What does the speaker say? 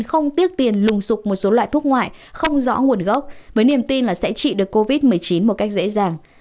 không tiếc tiền lùng sụp một số loại thuốc ngoại không rõ nguồn gốc với niềm tin là sẽ trị được covid một mươi chín một cách dễ dàng